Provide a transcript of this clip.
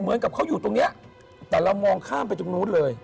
เหมือนกับเขาอยู่ตรงนี้แต่เรามองข้ามไปตรงนู้นเลย